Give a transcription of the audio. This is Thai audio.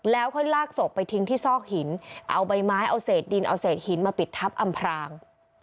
แล้วค่อยลากศพไปทิ้งที่ซอกหินเอาใบไม้เอาเศษดินเอาเศษหินมาปิดทับอำพราง